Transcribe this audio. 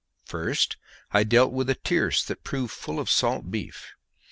First, I dealt with a tierce that proved full of salt beef.